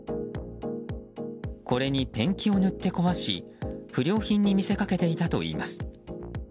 これに、ペンキを塗って壊し不良品に見せかけていたといいます。